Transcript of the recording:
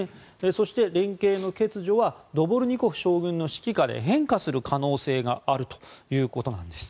そして、連携の欠如はドボルニコフ将軍の指揮下で変化する可能性があるということなんです。